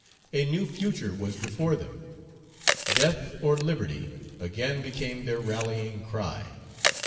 A new future was before them. "Death or liberty!" again became their rallying cry.